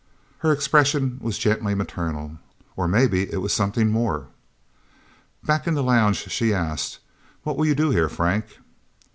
Her expression was gently maternal. Or maybe it was something more? Back in the lounge, she asked, "What will you do here, Frank?"